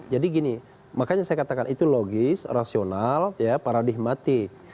gini makanya saya katakan itu logis rasional paradigmatik